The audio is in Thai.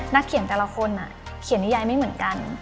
นักเขียนแต่ละคนเขียนนิยายไม่เหมือนกัน